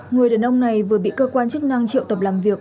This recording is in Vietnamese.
người đàn ông này vừa bị cơ quan chức năng triệu tập làm việc